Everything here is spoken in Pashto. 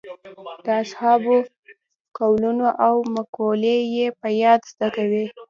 د اصحابو قولونه او مقولې یې په یاد زده وې.